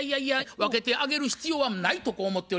分けてあげる必要はないとこう思っておりますね。